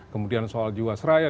kemudian soal jiwasraya